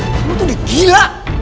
kamu tuh digila